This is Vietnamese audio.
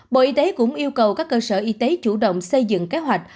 bộ y tế cũng yêu cầu các cơ sở y tế chủ động xây dựng kế hoạch